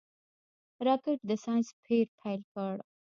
راکټ د ساینس پېر پيل کړ